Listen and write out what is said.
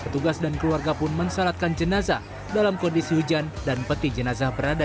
petugas dan keluarga pun mensyaratkan jenazah dalam kondisi hujan dan peti jenazah berada